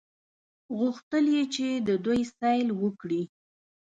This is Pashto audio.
غوښتل یې چې د دوی سیل وکړي.